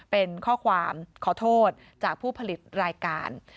เป็นข้อความขอโทษจากผู้ผลิตรายการ